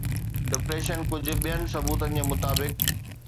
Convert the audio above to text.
depression ڪجهه ٻين ثبوتن جي مطابق